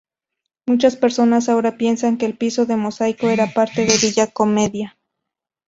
Muchas personas ahora piensan que el piso de mosaico era parte del Villa Commedia.